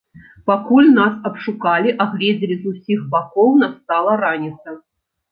Пакуль нас абшукалі, агледзелі з усіх бакоў, настала раніца.